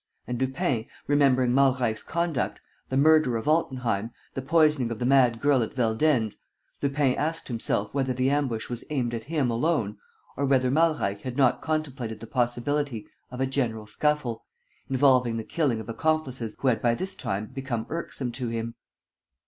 And Lupin, remembering Malreich's conduct, the murder of Altenheim, the poisoning of the mad girl at Veldenz, Lupin asked himself whether the ambush was aimed at him alone or whether Malreich had not contemplated the possibility of a general scuffle, involving the killing of accomplices who had by this time become irksome to him.